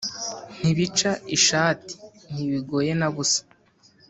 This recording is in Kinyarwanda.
ntibica ishati: ntibigoye na busa